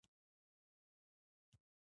شهوت بیکاري بد ملگري خرابه محیط.